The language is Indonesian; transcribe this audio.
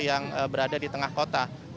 yang berada di tengah kota